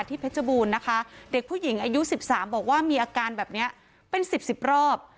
เพชรบูรณ์นะคะเด็กผู้หญิงอายุ๑๓บอกว่ามีอาการแบบนี้เป็นสิบสิบรอบ